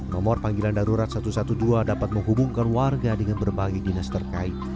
nomor panggilan darurat satu ratus dua belas dapat menghubungkan warga dengan berbagai dinas terkait